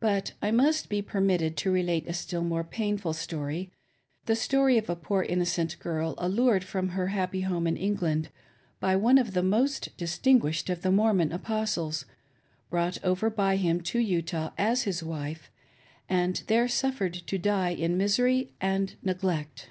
But I must be permitted to relate a still more painful story — the story of a poor innocent girl allured from her happy home in England by one of the most distinguished of the Mormon Apostles ; brought over by him to Utah as his wife, and there suffered to die in misery and neglect.